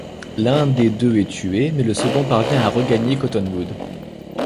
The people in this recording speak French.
L'un des deux est tué, mais le second parvient à regagner Cottonwood.